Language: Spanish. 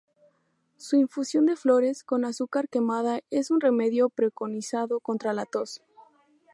Su infusión de flores, con azúcar quemada es un remedio preconizado contra la tos.